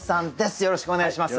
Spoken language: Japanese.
よろしくお願いします。